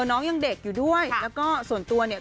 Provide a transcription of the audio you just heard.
น้องยังเด็กอยู่ด้วยแล้วก็ส่วนตัวเนี่ย